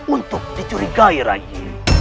untuk dicurigai rai